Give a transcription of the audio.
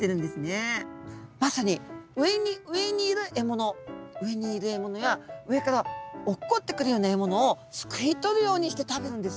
まさに上に上にいる獲物上にいる獲物や上から落っこってくるような獲物をすくい取るようにして食べるんですね。